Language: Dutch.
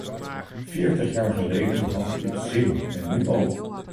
Veertig jaar geleden had dit zin en nu ook!